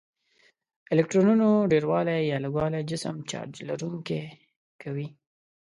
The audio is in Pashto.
الکترونونو ډیروالی یا لږوالی جسم چارج لرونکی کوي.